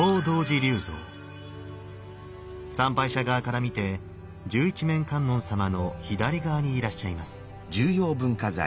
参拝者側から見て十一面観音様の左側にいらっしゃいます。